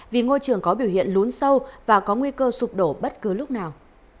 vì ngôi trường có biểu hiện lún sâu và có nguy cơ sụp đổ bất cứ lúc nào